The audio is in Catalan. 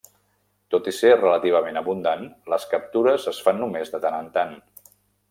Tot i ser relativament abundant, les captures es fan només de tant en tant.